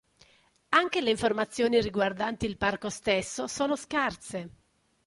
Anche le informazioni riguardanti il parco stesso sono scarse.